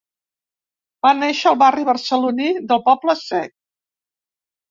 Va néixer al barri barceloní del Poble Sec.